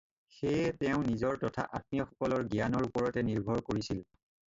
সেয়ে তেওঁ নিজৰ তথা আত্মীয়সকলৰ জ্ঞানৰ ওপৰতে নিৰ্ভৰ কৰিছিল।